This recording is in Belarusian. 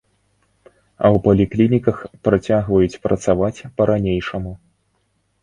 А ў паліклініках працягваюць працаваць па-ранейшаму.